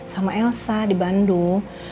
sama elsa di bandung